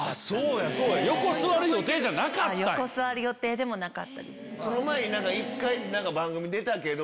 横座る予定でもなかったです。